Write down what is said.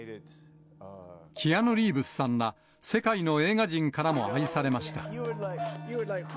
キアヌ・リーブスさんら、世界の映画人からも愛されました。